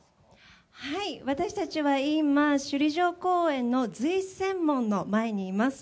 はい、私たちは今首里城公園の瑞泉門の前にいます。